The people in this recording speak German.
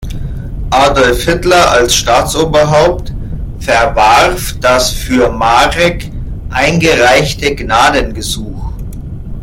Adolf Hitler als Staatsoberhaupt verwarf das für Marek eingereichte Gnadengesuch.